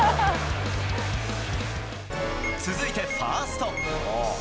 続いてファースト。